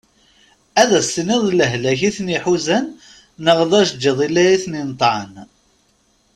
Ad as-tiniḍ d lehlak iten-iḥuzan neɣ d ajeǧǧiḍ i la iten-ineṭɛen.